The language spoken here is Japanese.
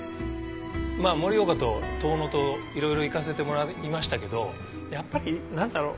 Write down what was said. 盛岡と遠野といろいろ行かせてもらいましたけどやっぱり何だろう？